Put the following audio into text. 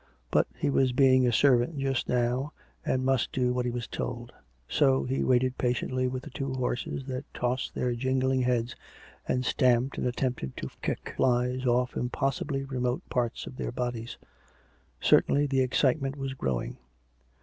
But he was being a servant just now, and must do what he was told. So he waited patiently with the two horses that tossed their jingling heads and stamped and attempted to kick flies off impossibly remote parts of their bodies. Certainly, the excitement was growing.